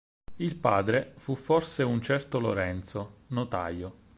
Il padre, fu forse un certo Lorenzo, notaio.